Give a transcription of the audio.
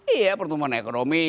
iya pertumbuhan ekonomi